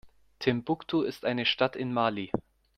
Timbuktu ist eine Stadt in Mali.